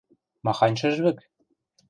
– Махань шӹжвӹк?